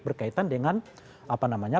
berkaitan dengan apa namanya